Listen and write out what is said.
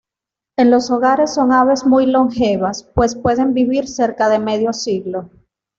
En los hogares son aves muy longevas, pues pueden vivir cerca de medio siglo.